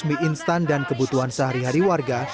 mie instan dan kebutuhan sehari hari warga